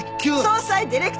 葬祭ディレクター。